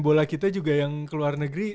bola kita juga yang ke luar negeri